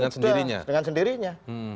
sudah dengan sendirinya